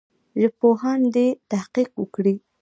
ژبپوهان دي تحقیق وکړي.